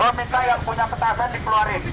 oh minta yang punya petasan dikeluarin